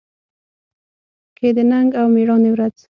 کې د ننګ او مېړانې ورځ